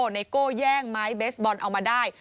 ไนโก้แย่งไม้เบสบอลเอามาได้